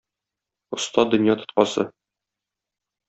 Оста дөнья тоткасы.